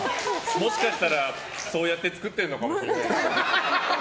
もしかしたらそうやって作ってるのかもね。